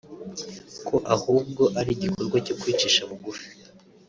ko ahubwo ari igikorwa cyo kwicisha bugufi